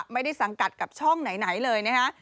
สังกัดกับช่องไหนเลยนะฮะ